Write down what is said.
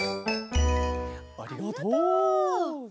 ありがとう！